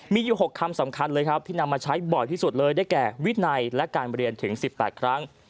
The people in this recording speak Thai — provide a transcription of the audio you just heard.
มีอยู่๖คำสำคัญเลยครับที่นำมาใช้บ่อยที่สุดเลยได้แก่วินัยและการเรียนถึง๑๘ครั้ง